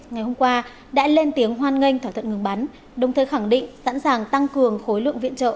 ngày hôm qua đã lên tiếng hoan nghênh thỏa thuận ngừng bắn đồng thời khẳng định sẵn sàng tăng cường khối lượng viện trợ